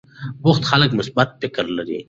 بوخت خلک مثبت فکر لري.